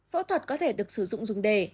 phẫu thuật có thể được sử dụng dùng để